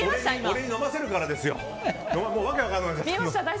俺に飲ませるからですよ。